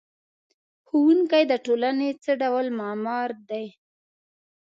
ښوونکی د ټولنې څه ډول معمار دی؟